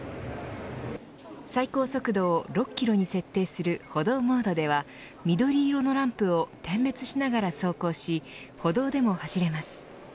最高速度を６キロに設定する歩道モードでは緑色のランプを点滅しながら走行し歩道でも走れます。